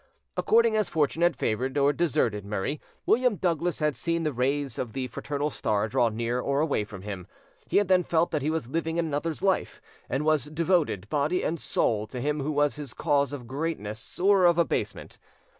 According as fortune had favoured or deserted Murray, William Douglas had seen the rays of the fraternal star draw near or away from him; he had then felt that he was living in another's life, and was devoted, body and soul, to him who was his cause of greatness or of abasement.